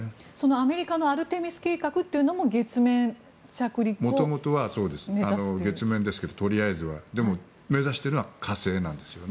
アメリカのアルテミス計画というのも元々はそうですけどでも、目指しているのは火星なんですね。